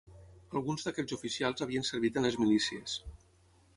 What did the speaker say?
Alguns d'aquells oficials havien servit en les milícies